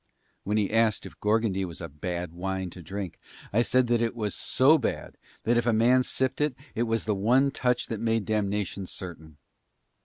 When he asked if Gorgondy was a bad wine to drink I said that it was so bad that if a man sipped it that was the one touch that made damnation certain.